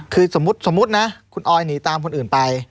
คือสมมุตินะคุณออยหนีตามคนอื่นไป